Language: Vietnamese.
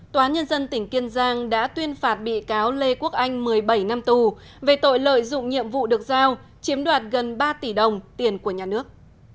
tòa nhân dân tỉnh kiên giang đã tuyên phạt bị cáo lê quốc anh một mươi bảy năm tù về tội lợi dụng nhiệm vụ được giao chiếm đoạt gần ba tỷ đồng tiền của nhà nước